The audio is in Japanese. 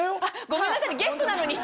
ごめんなさいねゲストなのに。